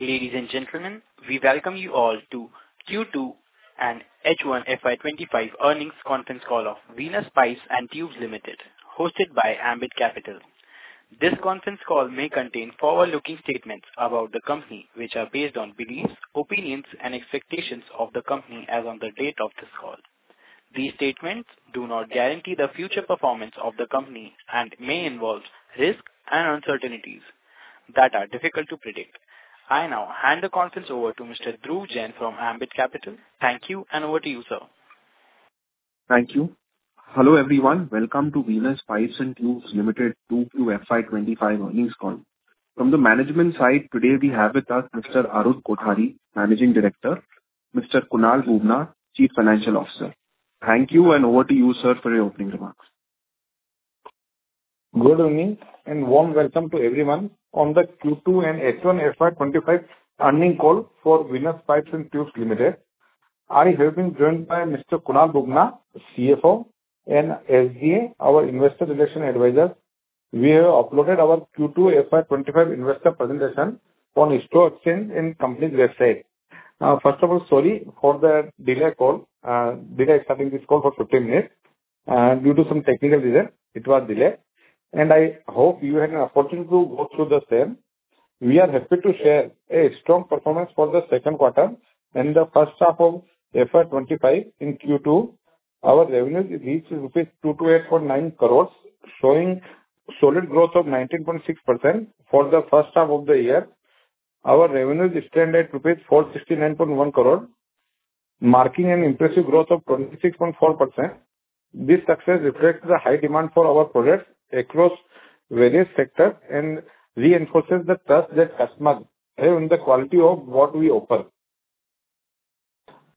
Ladies and gentlemen, we welcome you all to Q2 and H1 FY 2025 earnings conference call of Venus Pipes and Tubes Limited, hosted by Ambit Capital. This conference call may contain forward-looking statements about the company, which are based on beliefs, opinions and expectations of the company as on the date of this call. These statements do not guarantee the future performance of the company and may involve risks and uncertainties that are difficult to predict. I now hand the conference over to Mr. Dhruv Jain from Ambit Capital. Thank you and over to you, sir. Thank you. Hello, everyone. Welcome to Venus Pipes and Tubes Limited Q2 FY 2025 earnings call. From the management side today we have with us Mr. Arun Kothari, Managing Director, Mr. Kunal Bubna, Chief Financial Officer. Thank you, over to you, sir, for your opening remarks. Good evening and warm welcome to everyone on the Q2 and H1 FY 2025 earnings call for Venus Pipes and Tubes Limited. I have been joined by Mr. Kunal Bubna, CFO, and SGA, our Investor Relations advisor. We have uploaded our Q2 FY 2025 investor presentation on stock exchange and company website. First of all, sorry for the delay call. Delay starting this call for 15 minutes. Due to some technical reason, it was delayed. I hope you had an opportunity to go through the same. We are happy to share a strong performance for the second quarter and the first half of FY 2025 in Q2. Our revenues reached rupees 228.9 crores, showing solid growth of 19.6% for the first half of the year. Our revenues stand at 469.1 crores, marking an impressive growth of 26.4%. This success reflects the high demand for our products across various sectors and reinforces the trust that customers have in the quality of what we offer.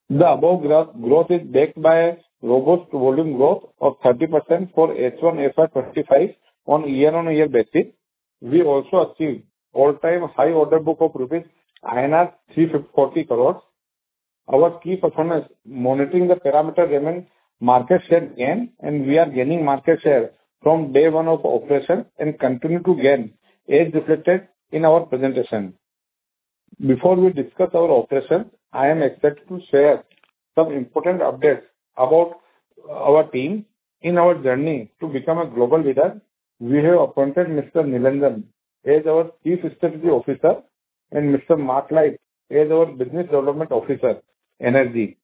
The above growth is backed by robust volume growth of 30% for H1 FY 2025 on year-over-year basis. We also achieved all-time high order book of rupees 340 crores. Our key performance monitoring the parameter remains market share gain, we are gaining market share from day one of operation and continue to gain, as reflected in our presentation. Before we discuss our operation, I am excited to share some important updates about our team. In our journey to become a global leader, we have appointed Mr. Neelanjan as our Chief Strategy Officer and Mr. Mark Light as our Business Development Officer, Energy.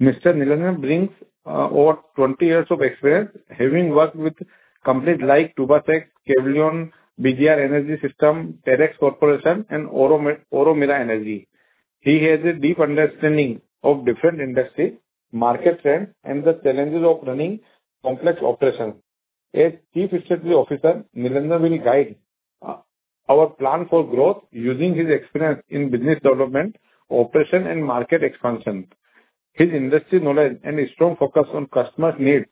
Mr. Neelanjan brings over 20 years of experience, having worked with companies like Tubacex, Kvaerner, BGR Energy Systems, Terex Corporation, and Oromera Energy. He has a deep understanding of different industry, market trends, and the challenges of running complex operations. As Chief Strategy Officer, Neelanjan will guide our plan for growth using his experience in business development, operation, and market expansion. His industry knowledge and a strong focus on customer needs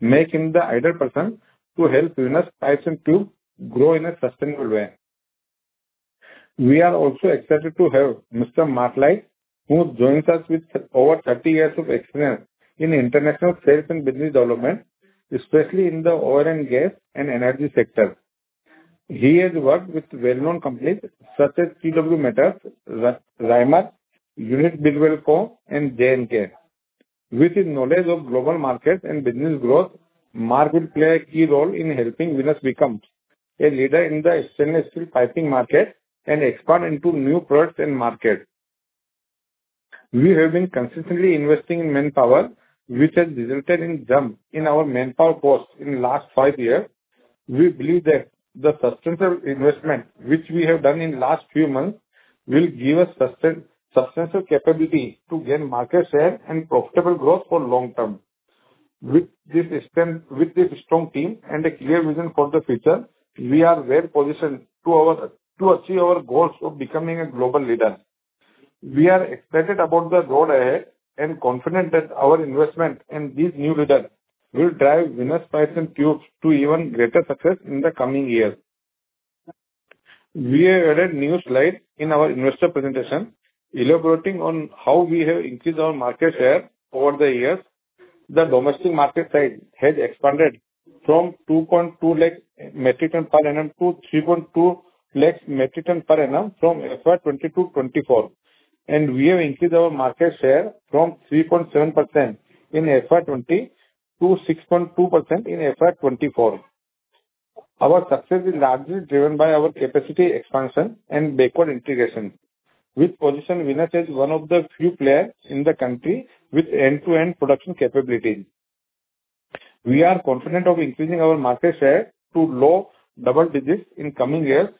make him the ideal person to help Venus Pipes and Tubes grow in a sustainable way. We are also excited to have Mr. Mark Light, who joins us with over 30 years of experience in international sales and business development, especially in the oil and gas and energy sectors. He has worked with well-known companies such as TW Metals, Reimers, Unique Industrial Product Co., and J&K. With his knowledge of global markets and business growth, Mark will play a key role in helping Venus become a leader in the stainless steel piping market and expand into new products and markets. We have been consistently investing in manpower, which has resulted in jump in our manpower force in last five years. We believe that the substantial investment which we have done in last few months will give us substantial capability to gain market share and profitable growth for long term. With this strong team and a clear vision for the future, we are well-positioned to achieve our goals of becoming a global leader. We are excited about the road ahead and confident that our investment and these new leaders will drive Venus Pipes and Tubes to even greater success in the coming years. We have added new slides in our investor presentation elaborating on how we have increased our market share over the years. The domestic market size has expanded from 2.2 lakh metric ton per annum to 3.2 lakh metric ton per annum from FY 2020 to FY 2024. We have increased our market share from 3.7% in FY 2020 to 6.2% in FY 2024. Our success is largely driven by our capacity expansion and backward integration, which position Venus as one of the few players in the country with end-to-end production capabilities. We are confident of increasing our market share to low double digits in coming years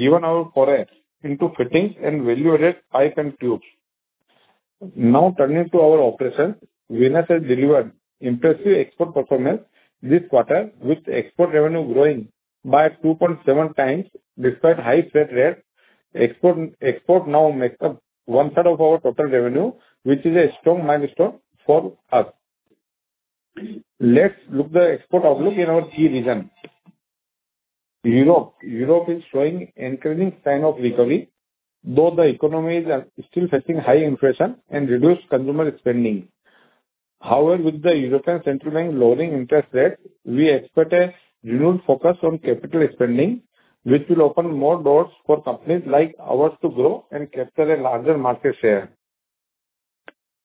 given our foray into fittings and value-added pipe and tubes. Now turning to our operations. Venus has delivered impressive export performance this quarter, with export revenue growing by 2.7 times despite high freight rates. Export now makes up one third of our total revenue, which is a strong milestone for us. Let's look the export outlook in our key regions. Europe. Europe is showing encouraging signs of recovery. Though the economies are still facing high inflation and reduced consumer spending. However, with the European Central Bank lowering interest rates, we expect a renewed focus on capital spending, which will open more doors for companies like ours to grow and capture a larger market share.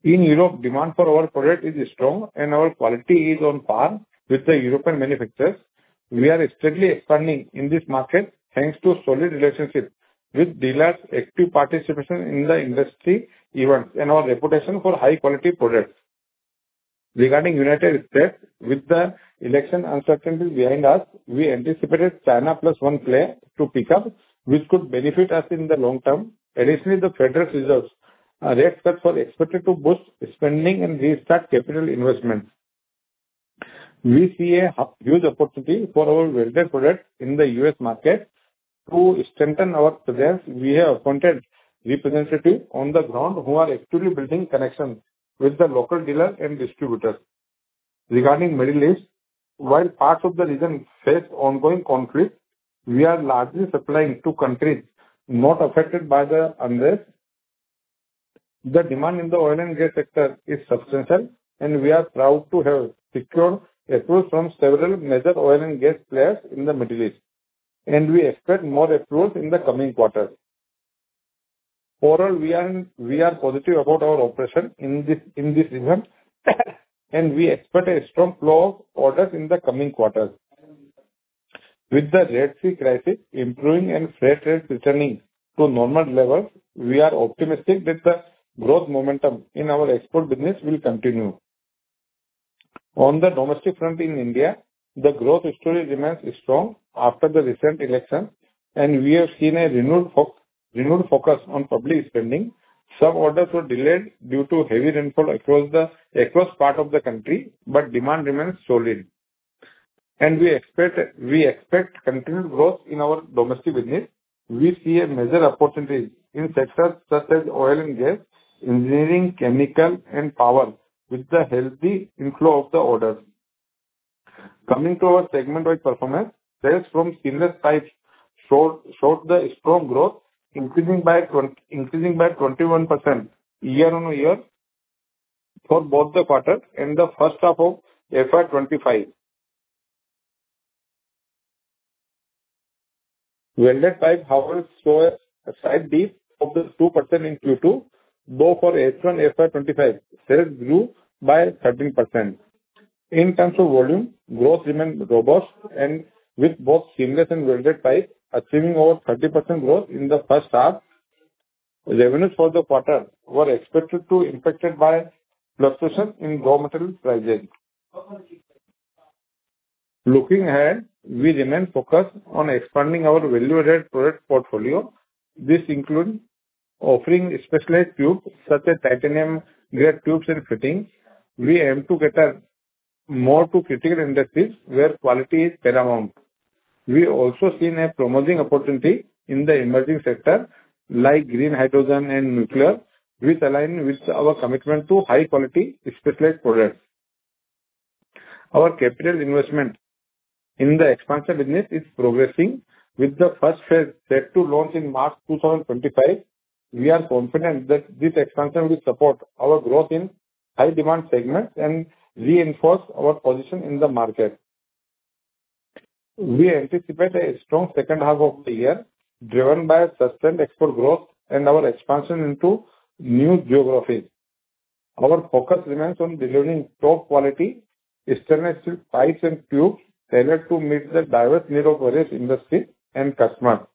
In Europe, demand for our product is strong and our quality is on par with the European manufacturers. We are steadily expanding in this market thanks to solid relationships with dealers, active participation in the industry events, and our reputation for high-quality products. Regarding United States, with the election uncertainty behind us, we anticipated China Plus One play to pick up, which could benefit us in the long term. Additionally, the Federal Reserve's rate cuts are expected to boost spending and restart capital investments. We see a huge opportunity for our welded products in the U.S. market. To strengthen our presence, we have appointed representatives on the ground who are actively building connections with the local dealers and distributors. Regarding Middle East, while parts of the region face ongoing conflicts, we are largely supplying to countries not affected by the unrest. The demand in the oil and gas sector is substantial, and we are proud to have secured approvals from several major oil and gas players in the Middle East, and we expect more approvals in the coming quarters. Overall, we are positive about our operation in this region, and we expect a strong flow of orders in the coming quarters. With the Red Sea crisis improving and freight rates returning to normal levels, we are optimistic that the growth momentum in our export business will continue. On the domestic front in India, the growth story remains strong after the recent election, and we have seen a renewed focus on public spending. Some orders were delayed due to heavy rainfall across part of the country, but demand remains solid. We expect continued growth in our domestic business. We see a major opportunity in sectors such as oil and gas, engineering, chemical, and power with the healthy inflow of the orders. Coming to our segment by performance, sales from seamless pipes showed a strong growth, increasing by 21% year-on-year for both the quarters and the first half of FY 2025. Welded pipes, however, saw a slight dip of 2% in Q2, though for H1 FY 2025, sales grew by 13%. In terms of volume, growth remained robust and with both seamless and welded pipes achieving over 30% growth in the first half. Revenues for the quarter were expected to impacted by fluctuations in raw material prices. Looking ahead, we remain focused on expanding our value-added product portfolio. This includes offering specialized tubes such as titanium grade tubes and fittings. We aim to cater more to critical industries where quality is paramount. We also seen a promising opportunity in the emerging sector like green hydrogen and nuclear, which align with our commitment to high-quality specialized products. Our capital investment in the expansion business is progressing, with the first phase set to launch in March 2025. We are confident that this expansion will support our growth in high-demand segments and reinforce our position in the market. We anticipate a strong second half of the year driven by sustained export growth and our expansion into new geographies. Our focus remains on delivering top quality stainless steel pipes and tubes tailored to meet the diverse needs of various industries and customers.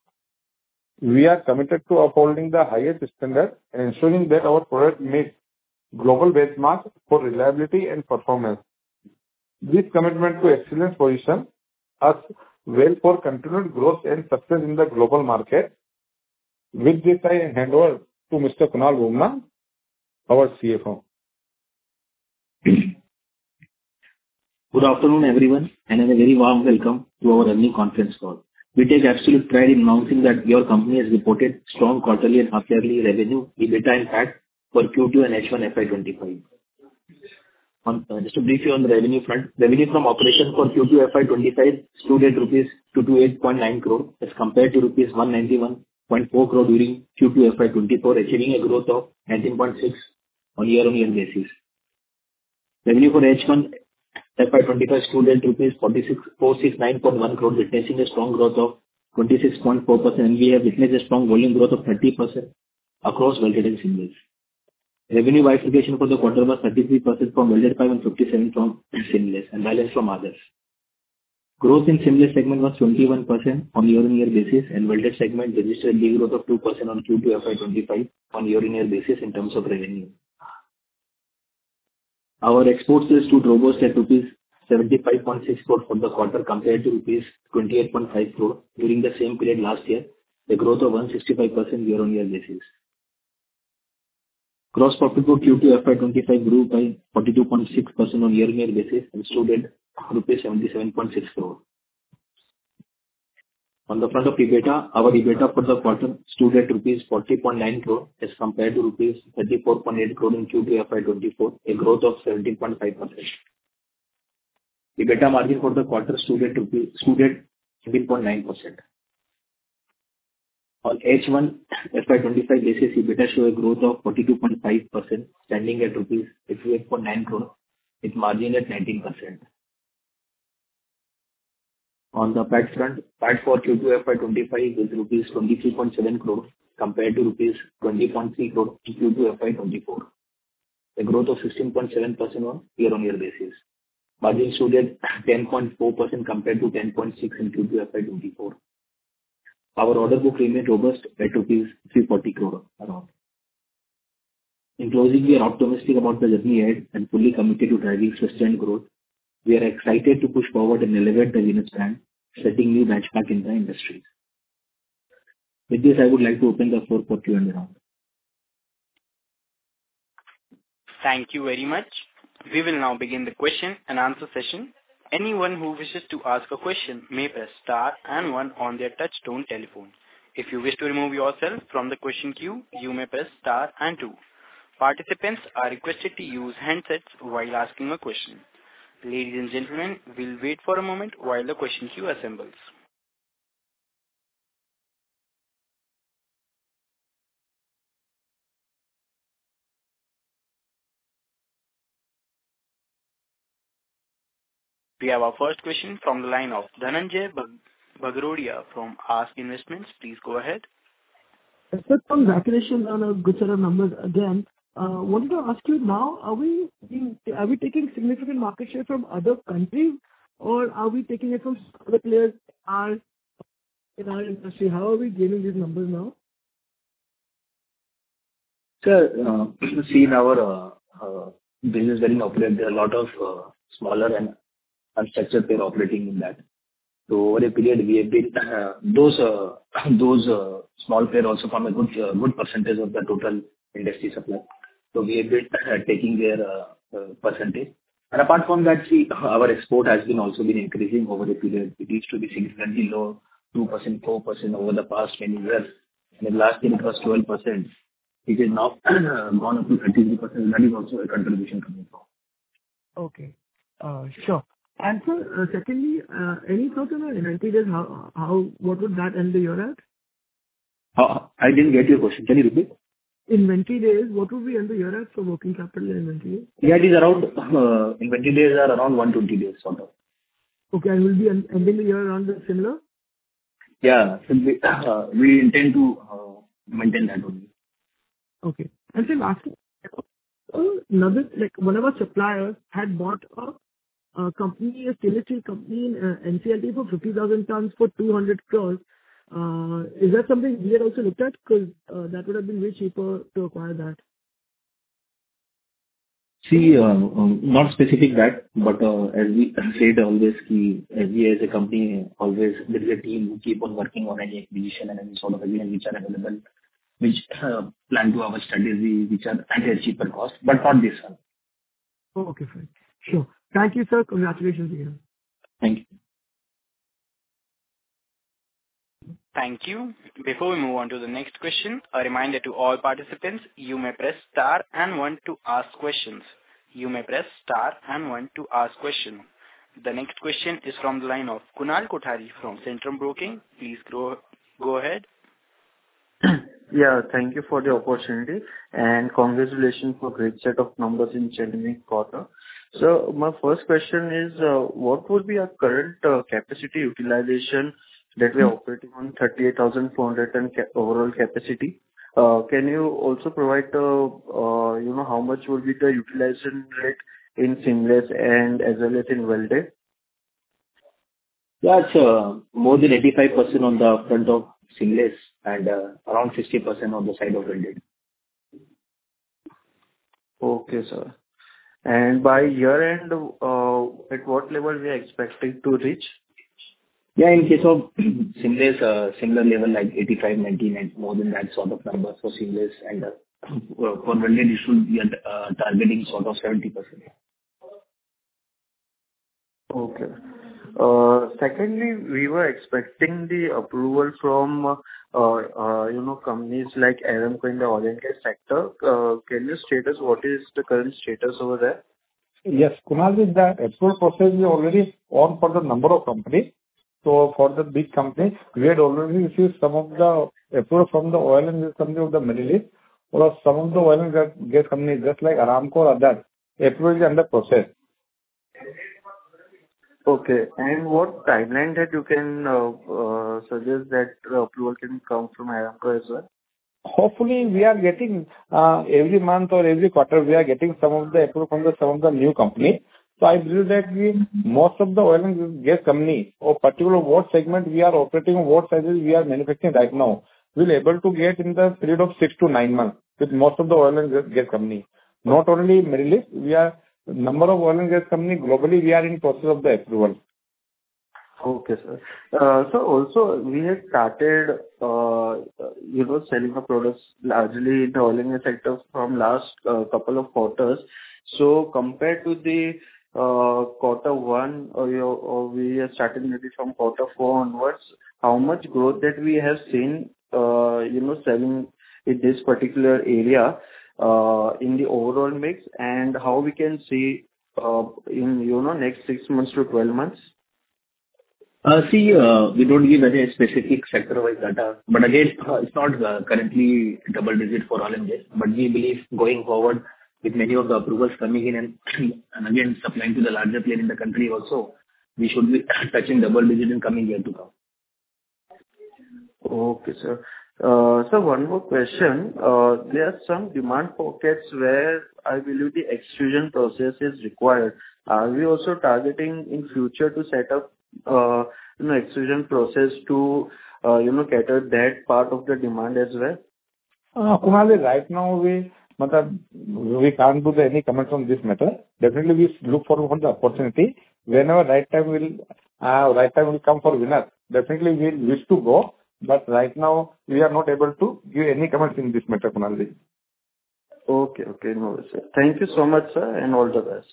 We are committed to upholding the highest standards, ensuring that our products meet global benchmarks for reliability and performance. This commitment to excellence positions us well for continued growth and success in the global market. With this, I hand over to Mr. Kunal Bubna, our CFO. Good afternoon, everyone. A very warm welcome to our earning conference call. We take absolute pride in announcing that your company has reported strong quarterly and half-yearly revenue, EBITDA, and PAT for Q2 and H1 FY 2025. Just to brief you on the revenue front. Revenue from operations for Q2 FY 2025 stood at rupees 228.9 crore as compared to rupees 191.4 crore during Q2 FY 2024, achieving a growth of 19.6% on a year-on-year basis. Revenue for H1 FY 2025 stood at rupees 469.1 crore, witnessing a strong growth of 26.4%. We have witnessed a strong volume growth of 30% across welded and seamless. Revenue diversification for the quarter was 33% from welded pipe, 57% from seamless, and balance from others. Growth in seamless segment was 21% on a year-on-year basis. Welded segment registered a growth of 2% on Q2 FY 2025 on a year-on-year basis in terms of revenue. Our exports stood robust at rupees 75.6 crore for the quarter compared to rupees 28.5 crore during the same period last year, a growth of 165% on a year-on-year basis. Gross profit for Q2 FY 2025 grew by 42.6% on a year-on-year basis. It stood at rupees 77.6 crore. On the front of EBITDA, our EBITDA for the quarter stood at rupees 40.9 crore as compared to rupees 34.8 crore in Q2 FY 2024, a growth of 17.5%. EBITDA margin for the quarter stood at 3.9%. Our H1 FY 2025 business EBITDA showed a growth of 42.5%, standing at 58.9 crore, with a margin at 19%. On the PAT front, PAT for Q2 FY 2025 is rupees 23.7 crore compared to rupees 20.3 crore in Q2 FY 2024, a growth of 16.7% on a year-on-year basis. Margin stood at 10.4% compared to 10.6% in Q2 FY 2024. Our order book remains robust at around rupees 340 crore. In closing, we are optimistic about the journey ahead. We are fully committed to driving sustained growth. We are excited to push forward and elevate the Venus brand, setting new benchmarks in the industry. With this, I would like to open the floor for the Q&A round. Thank you very much. We will now begin the question and answer session. Anyone who wishes to ask a question may press star 1 on their touch-tone telephone. If you wish to remove yourself from the question queue, you may press star 2. Participants are requested to use handsets while asking a question. Ladies and gentlemen, we'll wait for a moment while the question queue assembles. We have our first question from the line of Dhananjai Bagrodia from ASK Investments. Please go ahead. Sir, congratulations on a good set of numbers again. Wanted to ask you, now are we taking significant market share from other countries or are we taking it from other players in our industry? How are we gaining these numbers now? Sir, see, in our business wherein we operate, there are a lot of smaller and unstructured players operating in that. Over a period, we have built those small players also form a good percentage of the total industry supply. We have been taking their percentage. Apart from that, see, our export has also been increasing over a period. It used to be significantly low, 2%, 4% over the past many years. In the last year it was 12%, it has now gone up to 23%. That is also a contribution from before. Okay. Sure. Sir, secondly, any thought on inventory days? What would that end of the year at? I didn't get your question. Can you repeat? In inventory days, what would be end of year at for working capital inventory days? Yeah, inventory days are around 120 days sort of. Okay. Will be ending the year around similar? Yeah. We intend to maintain that only. Okay. Sir lastly, I thought one of our suppliers had bought a company, a skeletal company in NCLT, for 50,000 tonnes for 200 crore. Is that something we had also looked at? Because that would have been way cheaper to acquire that. See, not specific that, but as we said, always, we as a company, there is a team who keep on working on any acquisition and any sort of area which are available, which plan to our strategies, which are at a cheaper cost, but not this one. Okay, fine. Sure. Thank you, sir. Congratulations again. Thank you. Thank you. Before we move on to the next question, a reminder to all participants, you may press star and one to ask questions. You may press star and one to ask questions. The next question is from the line of Kunal Kothari from Centrum Broking. Please go ahead. Yeah, thank you for the opportunity, and congratulations for great set of numbers in the January quarter. My first question is, what would be our current capacity utilization that we are operating on 38,400 and overall capacity? Can you also provide how much will be the utilization rate in seamless and as well as in welded? Yeah, it's more than 85% on the front of seamless and around 60% on the side of welded. Okay, sir. By year-end, at what level are we expecting to reach? Yeah, in case of seamless, similar level like 85, 90, and more than that sort of numbers for seamless. For welded, it should be targeting sort of 70%. Okay. Secondly, we were expecting the approval from companies like Aramco in the oil and gas sector. Can you status what is the current status over there? Yes, Kunal, the approval process is already on for the number of companies. For the big companies, we had already received some of the approval from the oil and gas company of the Merrillville. For some of the oil and gas companies, just like Aramco or others, approval is under process. Okay. What timeline that you can suggest that approval can come from Aramco as well? Hopefully, we are getting every month or every quarter, we are getting some of the approval from some of the new company. I believe that we, most of the oil and gas company or particular what segment we are operating, what sizes we are manufacturing right now, we'll be able to get in the period of six to nine months with most of the oil and gas company. Not only Merrillville, number of oil and gas company globally, we are in process of the approval. Okay, sir. Sir, also we had started selling our products largely in the oil and gas sector from last couple of quarters. Compared to the quarter one, we are starting maybe from quarter four onwards, how much growth that we have seen selling in this particular area in the overall mix? How we can see in next six months to 12 months? See, we don't give any specific sector-wise data. Again, it's not currently double-digit for all indices. We believe going forward with many of the approvals coming in, and again, supplying to the larger player in the country also, we should be touching double-digit in coming year to come. Okay, sir. Sir, one more question. There are some demand pockets where I believe the extrusion process is required. Are we also targeting in future to set up an extrusion process to cater that part of the demand as well? Kunal, right now we can't put any comment on this matter. Definitely, we look for an opportunity. Whenever right time will come for Venus, definitely we wish to go. Right now we are not able to give any comments in this matter, Kunal. Okay, no worries, sir. Thank you so much, sir. All the best.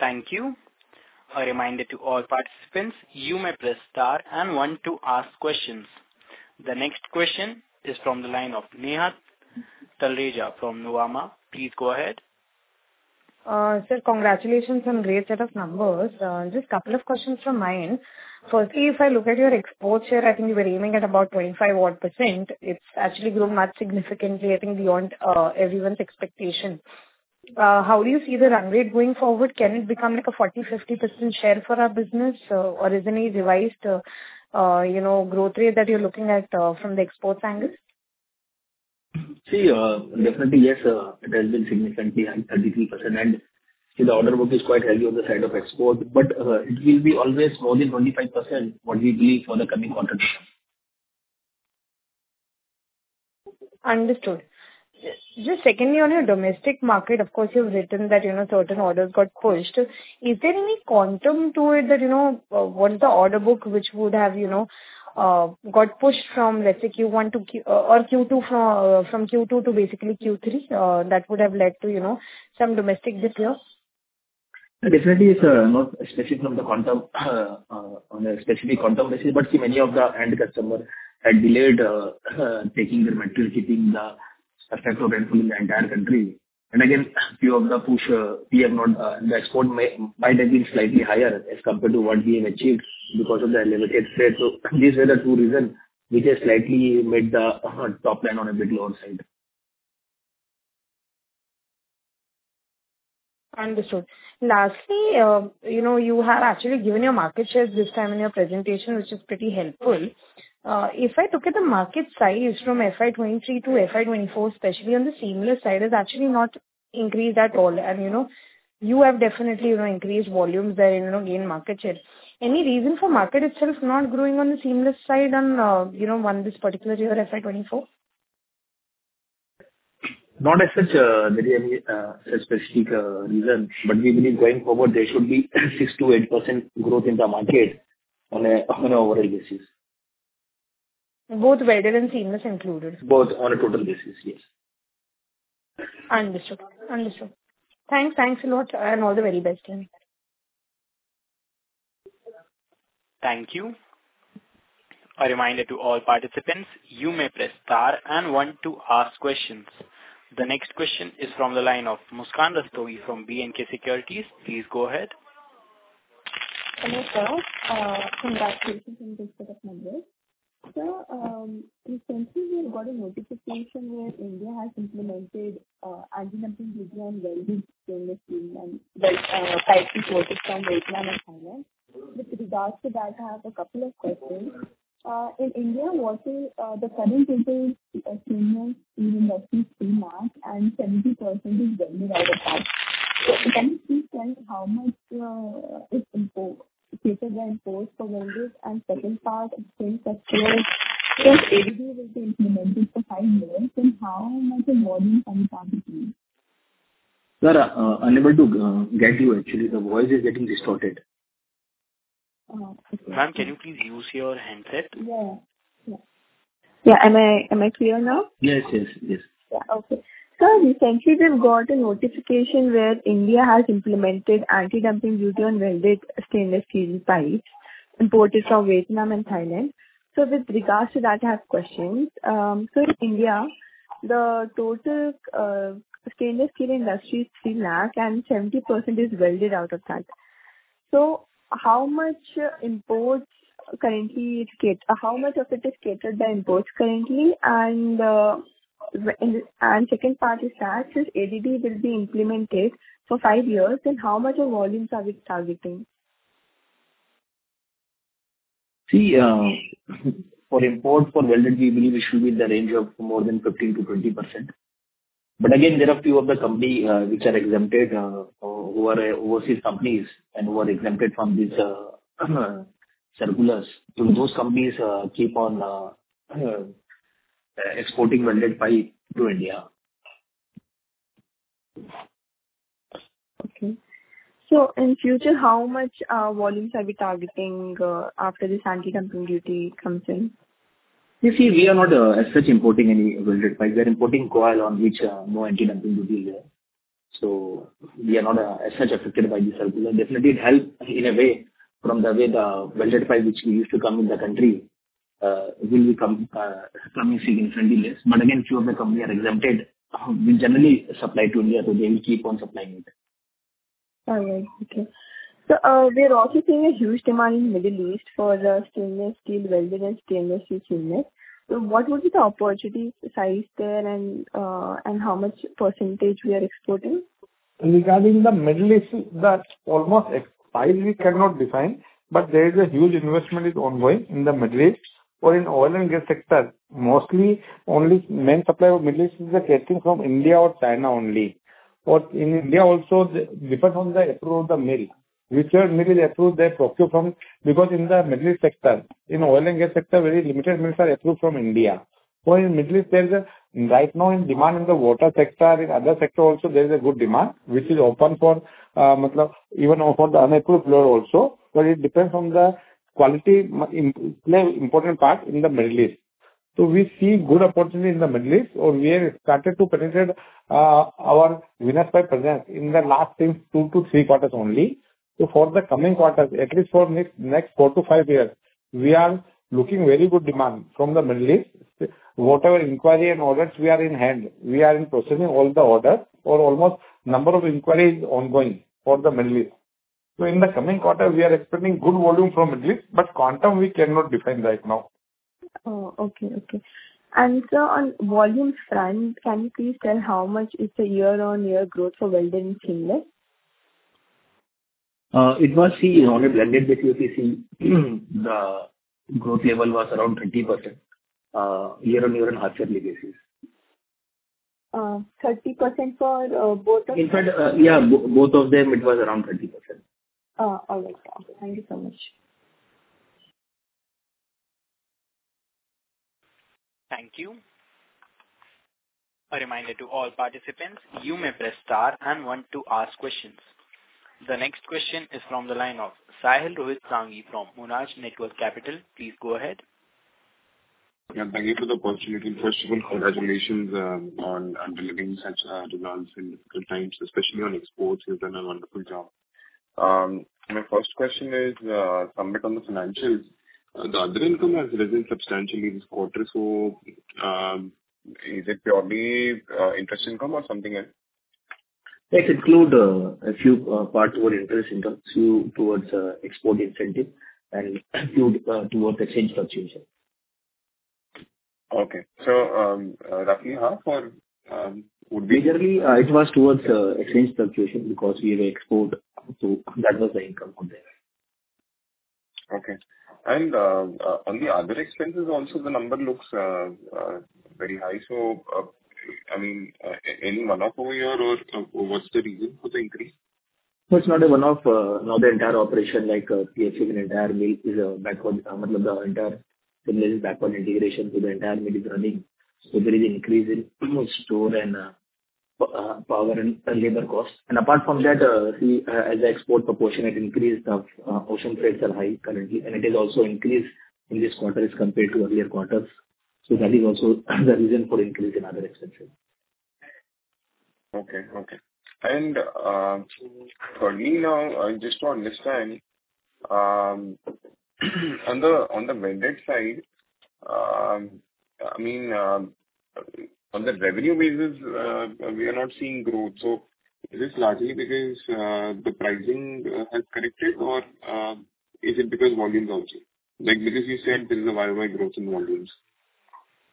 Thank you. A reminder to all participants, you may press star and one to ask questions. The next question is from the line of Neha Talreja from Nomura. Please go ahead. Sir, congratulations on great set of numbers. Just couple of questions from my end. Firstly, if I look at your export share, I think you were aiming at about 25% odd. It's actually grown much significantly, I think, beyond everyone's expectation. How do you see the run rate going forward? Can it become a 40%, 50% share for our business? Is any revised growth rate that you're looking at from the exports angle? Definitely yes. It has been significantly at 33% and the order book is quite heavy on the side of export, but it will be always more than 25%, what we believe for the coming quarter. Understood. Secondly, on your domestic market, of course, you've written that certain orders got pushed. Is there any quantum to it that what the order book which would have got pushed from, let's say, Q1 or from Q2 to basically Q3 that would have led to some domestic dip here? Definitely, not specific on the quantum on a specific quantum basis. Many of the end customer had delayed taking their material, keeping the effect of rainfall in the entire country. Again, few of the push the export might have been slightly higher as compared to what we have achieved because of the elevated trade. These were the two reason which has slightly made the top line on a bit lower side. Understood. Lastly, you have actually given your market shares this time in your presentation, which is pretty helpful. If I look at the market size from FY 2023 to FY 2024, especially on the seamless side, it's actually not increased at all. You have definitely increased volumes there in gained market share. Any reason for market itself not growing on the seamless side on this particular year, FY 2024? Not as such very any specific reason, we believe going forward there should be 6%-8% growth in the market on an overall basis. Both welded and seamless included. Both on a total basis, yes. Understood. Thanks a lot and all the very best. Thank you. A reminder to all participants, you may press star and one to ask questions. The next question is from the line of Muskanda Stovi from B&K Securities. Please go ahead. Hello, sir. Congratulations on this set of numbers. Sir, recently we got a notification where India has implemented anti-dumping duty on welded stainless steel pipes imported from Vietnam and Thailand. With regards to that, I have a couple of questions. In India, what is the current total stainless steel industry 3 million, and 70% is welded out of that. Can you please tell how much is imported, catered by imports for welded and second part since ADD will be implemented for five years, how much of volume are we targeting? Sir, unable to get you actually. The voice is getting distorted. Ma'am, can you please use your handset? Yeah. Am I clear now? Yes. Okay. Sir, recently we've got a notification where India has implemented anti-dumping duty on welded stainless steel pipes imported from Vietnam and Thailand. With regards to that, I have questions. In India, the total stainless steel industry is 3 million, and 70% is welded out of that. How much of it is catered by imports currently? Second part is that since ADD will be implemented for 5 years, then how much of volumes are we targeting? See, for import for welded, we believe it should be in the range of more than 15%-20%. Again, there are few of the company which are exempted who are overseas companies and who are exempted from these circulars. Those companies keep on exporting welded pipe to India. Okay. In future, how much volumes are we targeting after this anti-dumping duty comes in? We are not as such importing any welded pipes. We're importing coil on which no anti-dumping duty is there. We are not as such affected by this circular. Definitely it helps in a way from the way the welded pipe which we used to come in the country. Will be coming soon in 20 days. Again, few of the company are exempted. We generally supply to India, so they will keep on supplying it. All right. Okay. We are also seeing a huge demand in Middle East for the stainless steel welded and stainless steel seamless. What would be the opportunity size there and how much % we are exporting? Regarding the Middle East, that almost entirely cannot define, there is a huge investment is ongoing in the Middle East or in oil and gas sector. Mostly, only main supplier of Middle East is getting from India or China only. In India also, depends on the approved the mill, which mill is approved they procure from. Because in the Middle East sector, in oil and gas sector, very limited mills are approved from India. In Middle East there is a right now in demand in the water sector, in other sector also there is a good demand, which is open for even for the unapproved load also. It depends on the quality play important part in the Middle East. We see good opportunity in the Middle East and we have started to penetrate our Venus Pipe in the last two to three quarters only. For the coming quarters, at least for next four to five years, we are looking very good demand from the Middle East. Whatever inquiry and orders we are in hand, we are in processing all the orders or almost number of inquiries ongoing for the Middle East. In the coming quarter, we are expecting good volume from Middle East, quantum we cannot define right now. Oh, okay. Sir, on volumes front, can you please tell how much is the year-over-year growth for welded and seamless? See on a blended basis, you see the growth level was around 30% year-over-year on H1 basis. 30% for both of them? In fact, yeah, both of them it was around 30%. Oh, all right. Thank you so much. Thank you. A reminder to all participants, you may press star 1 to ask questions. The next question is from the line of Sahil Rohit Sangi from Monarch Networth Capital. Please go ahead. Yeah, thank you for the opportunity. First of all, congratulations on delivering such results in difficult times, especially on exports. You've done a wonderful job. My first question is somewhat on the financials. The other income has risen substantially this quarter, is it purely interest income or something else? That include a few parts were interest income towards export incentive and towards exchange fluctuation. Okay. Roughly half would be. Majorly, it was towards exchange fluctuation because we have export, that was the income from there. Okay. On the other expenses also the number looks very high. Any one-off over here or what's the reason for the increase? It's not a one-off. Now the entire operation like PHC and entire mill is backward, the entire backward integration. The entire mill is running. There is increase in raw material store and power and labor cost. Apart from that, see, as the export proportionate increased, ocean freights are high currently, and it is also increased in this quarter as compared to earlier quarters. That is also the reason for increase in other expenses. Okay. For me now, just to understand, on the welded side, on the revenue basis, we are not seeing growth. Is this largely because the pricing has corrected or is it because volumes also? Like because you said there is a YOY growth in volumes.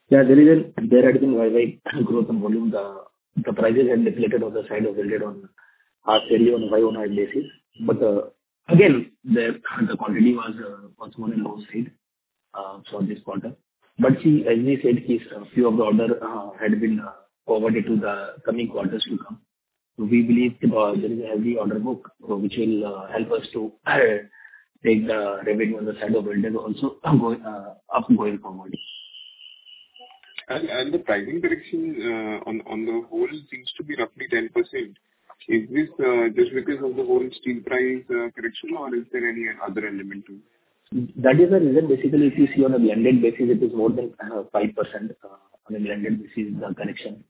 Yeah, there had been YOY growth on volume. The prices had deflated on the side of welded on H1 on YOY basis. Again, the quantity was once more on the low side for this quarter. See, as we said, few of the order had been forwarded to the coming quarters to come. We believe there is a heavy order book which will help us to take the revenue on the side of welded also up going forward. The pricing correction on the whole seems to be roughly 10%. Is this just because of the whole steel price correction or is there any other element too? That is the reason. Basically, if you see on a blended basis, it is more than 5%. I mean, blended basis the correction.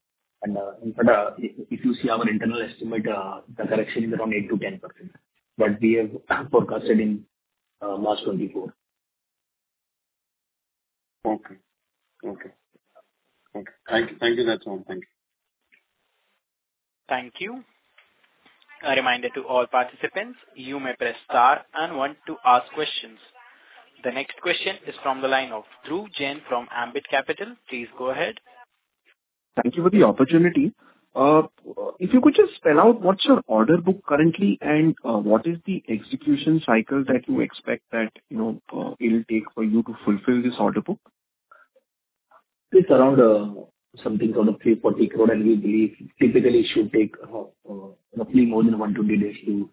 If you see our internal estimate, the correction is around 8%-10%, what we have forecasted in March 2024. Okay. Thank you. That's all. Thank you. Thank you. A reminder to all participants, you may press star and one to ask questions. The next question is from the line of Dhruv Jain from Ambit Capital. Please go ahead. Thank you for the opportunity. If you could just spell out what's your order book currently and what is the execution cycle that you expect that it will take for you to fulfill this order book? It's around something around 340 crore. We believe typically it should take roughly more than one to two days to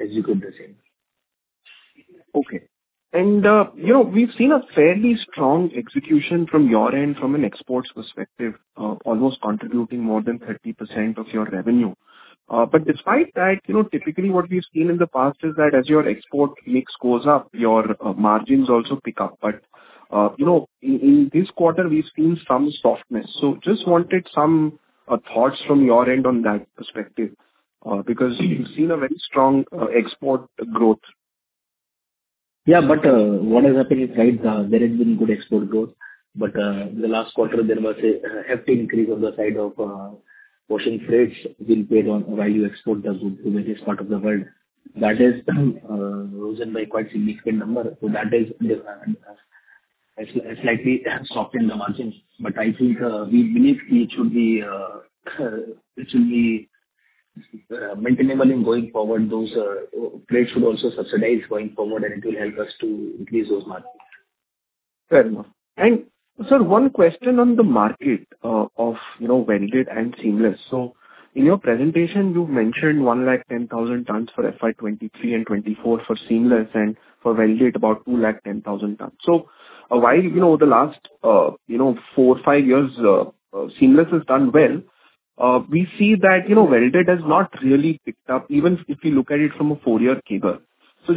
execute the same. Okay. We've seen a fairly strong execution from your end from an exports perspective, almost contributing more than 30% of your revenue. Despite that, typically what we've seen in the past is that as your export mix goes up, your margins also pick up. In this quarter, we've seen some softness. Just wanted some thoughts from your end on that perspective. We've seen a very strong export growth. What has happened is, there has been good export growth. In the last quarter, there was a hefty increase on the side of ocean freight being paid on while you export the goods to various part of the world. That has risen by quite significant number. That has slightly softened the margins. I think we believe it should be maintainable in going forward. Those freight should also subside going forward, and it will help us to increase those margins. Fair enough. Sir, one question on the market of welded and seamless. In your presentation, you've mentioned 110,000 tonnes for FY 2023 and FY 2024 for seamless, and for welded about 210,000 tonnes. While the last four, five years seamless has done well, we see that welded has not really picked up, even if we look at it from a four-year cycle.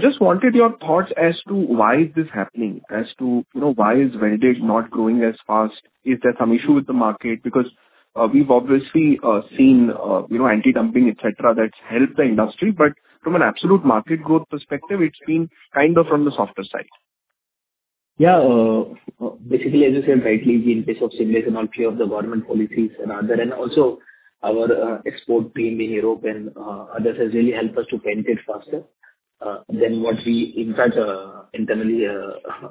Just wanted your thoughts as to why is this happening, as to why is welded not growing as fast. Is there some issue with the market? We've obviously seen anti-dumping, et cetera, that's helped the industry. From an absolute market growth perspective, it's been kind of from the softer side. Basically, as you said rightly, in case of seamless and all three of the government policies and also our export team in Europe and others has really helped us to penetrate faster than what we in fact internally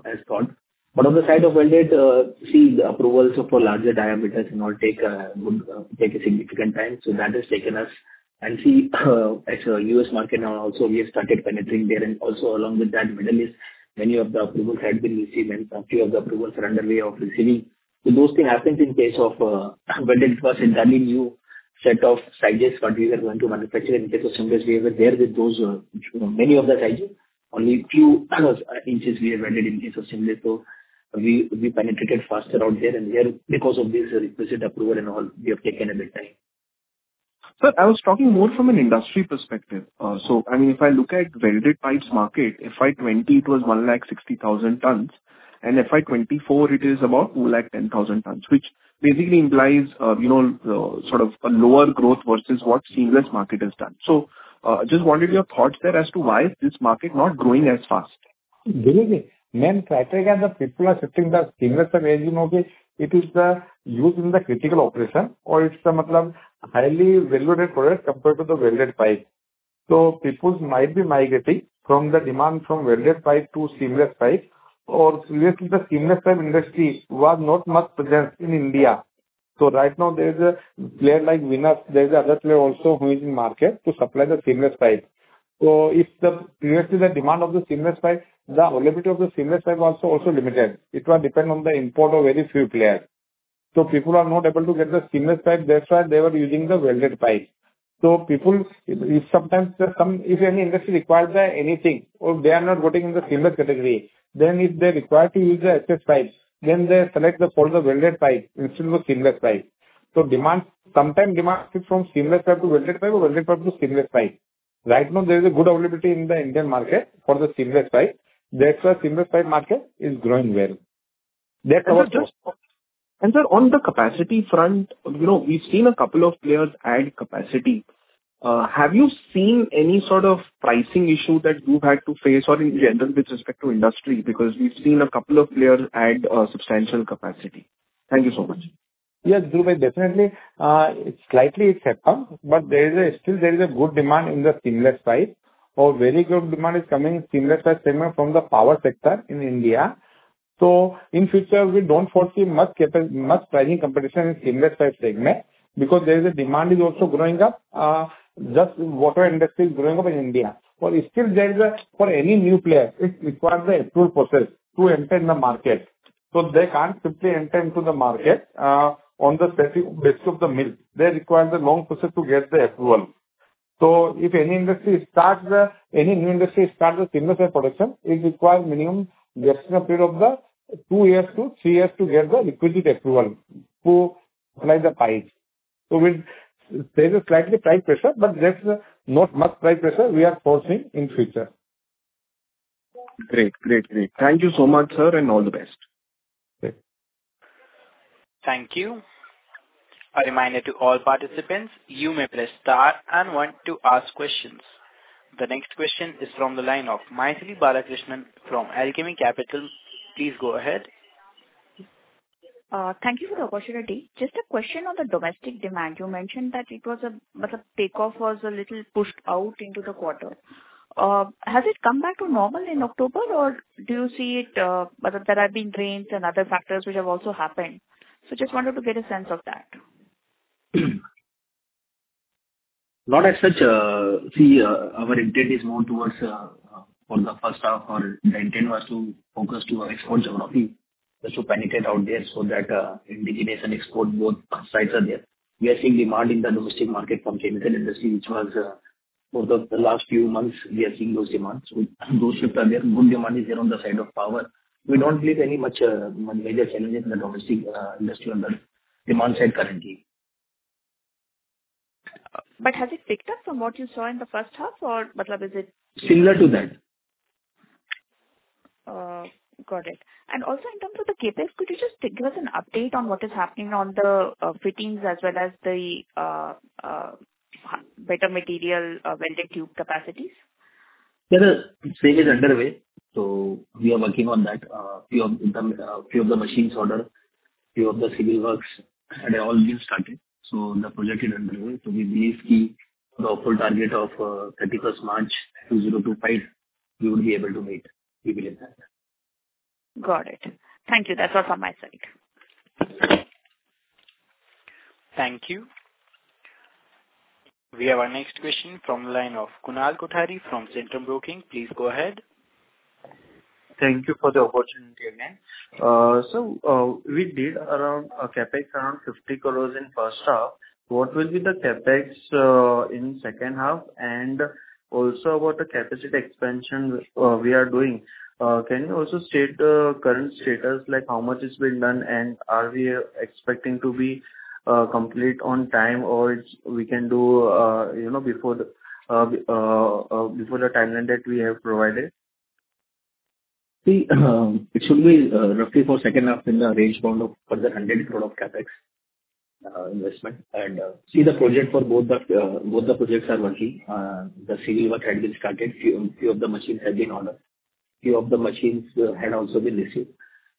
has thought. On the side of welded, see the approvals for larger diameters and all take a significant time. That has taken us. See as a U.S. market now also we have started penetrating there and also along with that Middle East, many of the approvals had been received and few of the approvals are underway of receiving. Those things happened in case of welded first and entirely new set of sizes what we were going to manufacture in case of seamless we were there with those many of the sizes. Only few inches we have welded in case of seamless. We penetrated faster out there and here because of this requisite approval and all we have taken a bit time. I mean, if I look at welded pipes market, FY 2020 it was 160,000 tonnes and FY 2024 it is about 210,000 tonnes, which basically implies sort of a lower growth versus what seamless market has done. Just wanted your thoughts there as to why is this market not growing as fast. Basically, main criteria the people are shifting the seamless are raising of it. It is used in the critical operation or it's a highly valuated product compared to the welded pipe. People might be migrating from the demand from welded pipe to seamless pipe. Previously the seamless pipe industry was not much present in India. Right now there's a player like Venus. There's other player also who is in market to supply the seamless pipe. Previously the demand of the seamless pipe, the availability of the seamless pipe was also limited. It was dependent on the import of very few players. People are not able to get the seamless pipe, that's why they were using the welded pipe. People, if any industry requires anything or they are not getting in the seamless category, then if they're required to use the excess pipes, then they select for the welded pipe instead of seamless pipe. Sometime demand shift from seamless pipe to welded pipe or welded pipe to seamless pipe. Right now there is a good availability in the Indian market for the seamless pipe. That's why seamless pipe market is growing well. That's our thought. Sir, on the capacity front, we've seen a couple of players add capacity. Have you seen any sort of pricing issue that you've had to face or in general with respect to industry? We've seen a couple of players add substantial capacity. Thank you so much. Yes, Dhruv. Definitely. Slightly it's happened. Still there is a good demand in the seamless pipe. Very good demand is coming in seamless pipe segment from the power sector in India. In future, we don't foresee much pricing competition in seamless pipe segment. The demand is also growing up. Water industry is growing up in India. Still, for any new player, it requires an approved process to enter in the market. They can't simply enter into the market on the basis of the mill. They require the long process to get the approval. If any new industry starts the seamless pipe production, it requires minimum duration period of 2 years to 3 years to get the requisite approval to supply the pipes. There's a slightly price pressure. There's not much price pressure we foresee in future. Great. Thank you so much, sir, and all the best. Okay. Thank you. A reminder to all participants, you may press star and one to ask questions. The next question is from the line of Mythili Balakrishnan from Alchemy Capital. Please go ahead. Thank you for the opportunity. Just a question on the domestic demand. You mentioned that it was a takeoff was a little pushed out into the quarter. Has it come back to normal in October or do you see it there have been rains and other factors which have also happened? Just wanted to get a sense of that. Not as such. See, our intent is more towards for the first half or the intent was to focus to our export geography just to penetrate out there so that in domestic and export both sides are there. We are seeing demand in the domestic market from chemical industry which was for the last few months we are seeing those demands. Those shifts are there. Good demand is there on the side of power. We don't believe any much major challenges in the domestic industry on the demand side currently. Has it picked up from what you saw in the first half or is it? Similar to that Got it. Also in terms of the CapEx, could you just give us an update on what is happening on the fittings as well as the better material welded tube capacities? Yes, stage is underway. We are working on that. Few of the machines order, few of the civil works had all been started. The project is underway. We believe the output target of 31st March 2025, we would be able to meet. We believe that. Got it. Thank you. That's all from my side. Thank you. We have our next question from the line of Kunal Kothari from Centrum Broking. Please go ahead. Thank you for the opportunity. We did around CapEx, around 50 crore in first half. What will be the CapEx in second half and also what the capacity expansion we are doing? Can you also state the current status, like how much is being done, and are we expecting to be complete on time, or we can do before the timeline that we have provided? It should be roughly for second half in the range bound of further 100 crore of CapEx investment. See, both the projects are working. The civil work had been started. Few of the machines have been ordered. Few of the machines had also been received.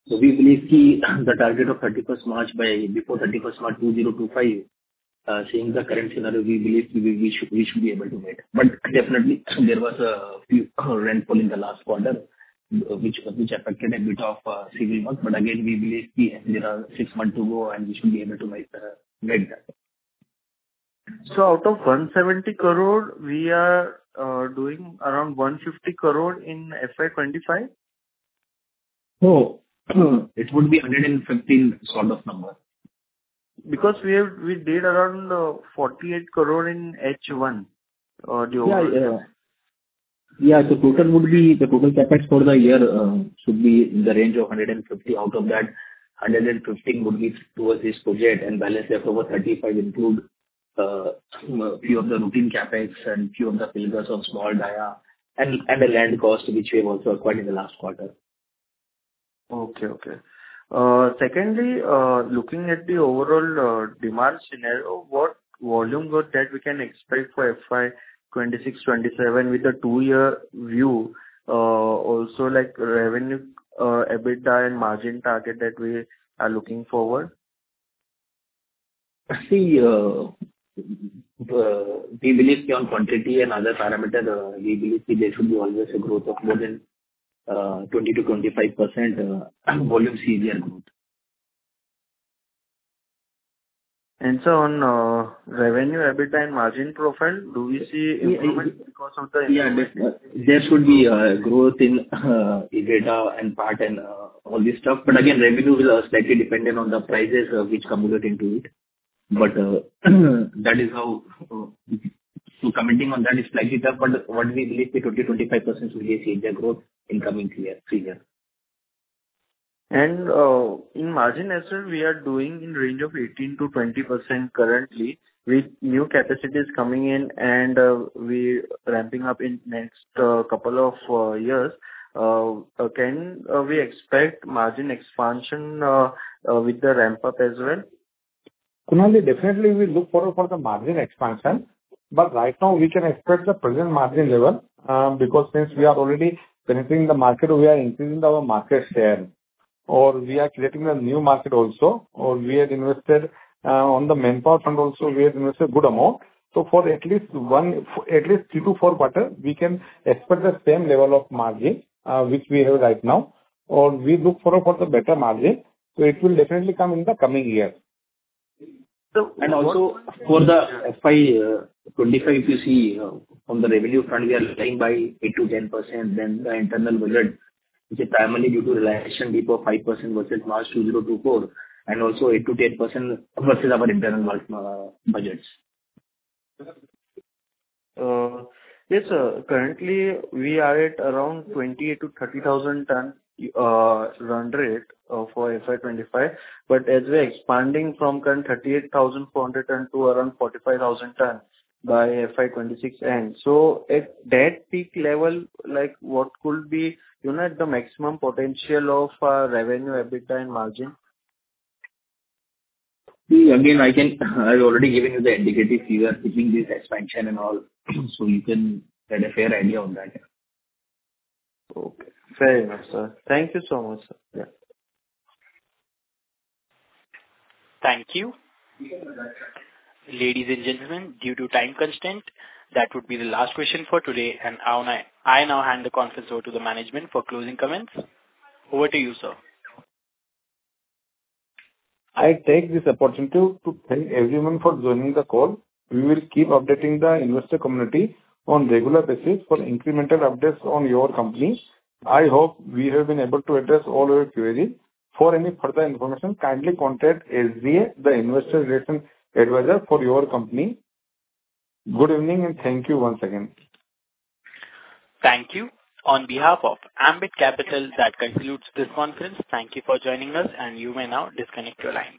We believe the target of 31st March, before 31st March 2025, seeing the current scenario, we believe we should be able to make. Definitely, there was a few rainfall in the last quarter, which affected a bit of civil work. Again, we believe there are six months to go, and we should be able to make that. Out of 170 crore, we are doing around 150 crore in FY 2025? No, it would be 115 sort of number. We did around 48 crore in H1. The total CapEx for the year should be in the range of 150. Out of that, 115 would be towards this project, balance of over 35 include few of the routine CapEx and few of the pilgers of small dia and the land cost, which we've also acquired in the last quarter. Secondly, looking at the overall demand scenario, what volume or that we can expect for FY 2026, FY 2027 with a two-year view, also like revenue, EBITDA and margin target that we are looking forward. We believe on quantity and other parameter. We believe there should be always a growth of more than 20%-25% volume yearly growth. Sir, on revenue, EBITDA, and margin profile, do we see improvement because of the investment? Yeah, there should be a growth in EBITDA and PAT and all this stuff. Again, revenue will slightly dependent on the prices which come into it. Commenting on that is slightly tough, but what we believe the 20%-25% should be a yearly growth in coming three years. In margin as well, we are doing in range of 18%-20% currently with new capacities coming in and we ramping up in next couple of years. Can we expect margin expansion with the ramp-up as well? Kunal ji, definitely we look forward for the margin expansion, but right now we can expect the present margin level because since we are already penetrating the market, we are increasing our market share or we are creating a new market also, or we had invested on the manpower front also, we had invested good amount. For at least three to four quarter, we can expect the same level of margin which we have right now, or we look for a better margin. It will definitely come in the coming year. For the FY 2025, if you see from the revenue front, we are leading by 8%-10% than the internal budget, which is primarily due to realization before 5% versus March 2024, also 8%-10% versus our internal budgets. Yes. Currently, we are at around 28,000-30,000 ton run rate for FY 2025. As we're expanding from current 38,400 ton to around 45,000 ton by FY 2026 end, at that peak level, what could be the maximum potential of our revenue, EBITDA, and margin? I've already given you the indicative. We are keeping this expansion and all, you can get a fair idea on that. Okay, fair enough, sir. Thank you so much, sir. Yeah. Thank you. Ladies and gentlemen, due to time constraint, that would be the last question for today. I now hand the conference over to the management for closing comments. Over to you, sir. I take this opportunity to thank everyone for joining the call. We will keep updating the investor community on regular basis for incremental updates on your company. I hope we have been able to address all your queries. For any further information, kindly contact SGA, the investor relations advisor for your company. Good evening, and thank you once again. Thank you. On behalf of Ambit Capital, that concludes this conference. Thank you for joining us, and you may now disconnect your lines.